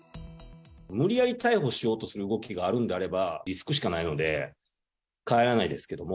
無理やり逮捕しようとする動きがあるんであれば、リスクしかないので、帰らないですけれども。